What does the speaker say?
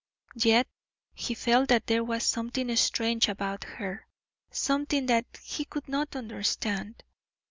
Yet he felt that there was something strange about her, something that he could not understand.